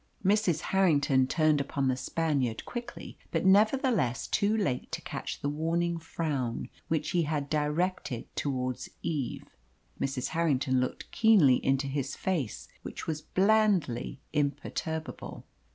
Mrs. Harrington turned upon the Spaniard quickly, but nevertheless too late to catch the warning frown which he had directed towards Eve. Mrs. Harrington looked keenly into his face, which was blandly imperturbable.